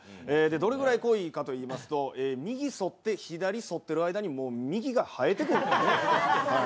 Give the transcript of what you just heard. どれくらい濃いかといいますと左剃って右剃ってる間にもう右が生えてくる。